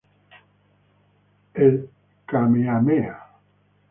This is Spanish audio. El Kamehameha.